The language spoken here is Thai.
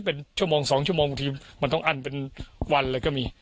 เป็นชั่วโมง๒ชั่วโมงทีมันต้องอั้นเป็นวันเลยก็มี